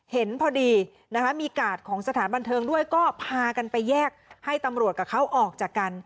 เห็นพอดีนะคะมีกาดของสถานบันเทิงด้วยก็พากันไปแยกให้ตำรวจกับเขาออกจากกัน